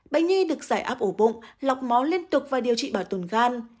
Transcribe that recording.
bệnh nhi được giải áp ổ bụng lọc máu liên tục và điều trị bảo tồn gan